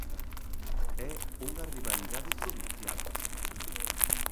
É unha rivalidade provincial.